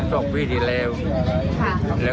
ใช่ค่ะ